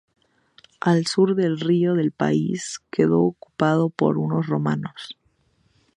Al sur del río el país quedó ocupado por los romanos.